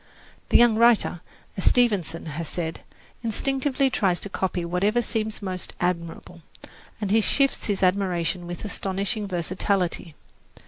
The young writer, as Stevenson has said, instinctively tries to copy whatever seems most admirable, and he shifts his admiration with astonishing versatility.